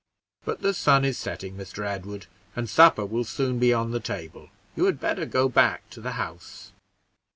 But the sun is setting, Mr. Edward, and supper will soon be on the table; you had better go back to the house."